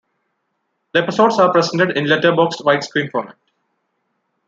The episodes are presented in letterboxed widescreen format.